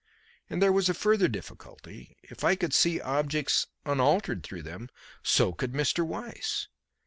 And there was a further difficulty. If I could see objects unaltered through them, so could Mr. Weiss.